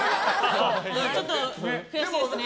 ちょっと悔しいですね。